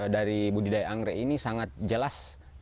dari budidaya anggrek ini sangat jelas